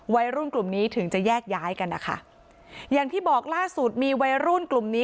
วัยรุ่นกลุ่มนี้ถึงจะแยกย้ายกันนะคะอย่างที่บอกล่าสุดมีวัยรุ่นกลุ่มนี้